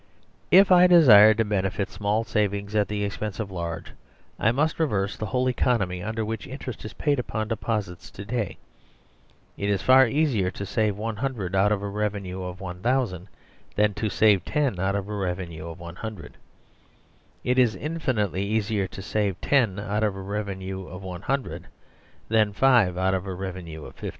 If I desire to benefit small savings at the expense of large, I must reverse the whole economy under which interest is paid upon deposits to day. It is far easier to save ;ioo out of a revenue of 1000 than to save 10 out of a revenue of 100. It is infinitely easier to save ;io out of a revenue of ^100 than 5 out of a revenue of 50.